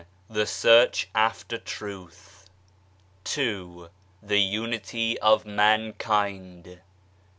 The Search after Truth. II. The Unity of Mankind.